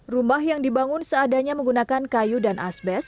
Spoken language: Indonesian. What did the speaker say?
rumah yang dibangun seadanya menggunakan kayu dan asbest